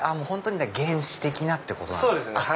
本当に原始的なってことですか？